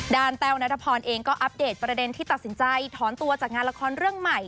แต้วนัทพรเองก็อัปเดตประเด็นที่ตัดสินใจถอนตัวจากงานละครเรื่องใหม่